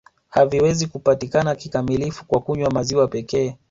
Haviwezi kupatikana kikamilifu kwa kunywa maziwa pekee